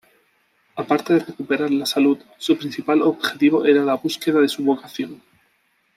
Aparte de recuperar la salud, su principal objetivo era la búsqueda de su vocación.